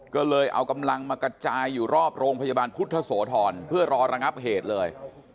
ก็เลยเอากำลังมากระจายอยู่รอบโรงพยาบาลพุทธโสธรเพื่อรอระงับเหตุเลย